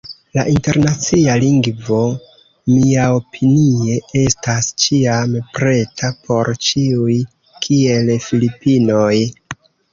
La Internacia Lingvo, miaopinie estas ĉiam preta por ĉiuj, kiel Filipinoj.